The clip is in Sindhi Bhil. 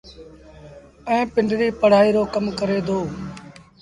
ائيٚݩ پنڊري پڙهئيٚ رو ڪم ڪري دو